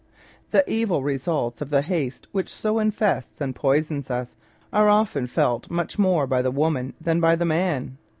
The evil results of the haste which so infests and poisons us are often felt much more by the woman than by the man.